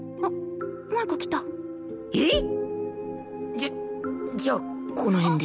じゃじゃあこの辺で。